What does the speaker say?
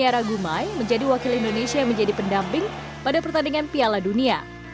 yara gumai menjadi wakil indonesia yang menjadi pendamping pada pertandingan piala dunia